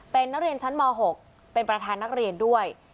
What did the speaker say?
เป็นนักเรียนชั้นม๖เป็นประธานนักเรียนด้วย